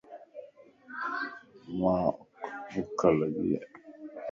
مان ٻک لڳي ا.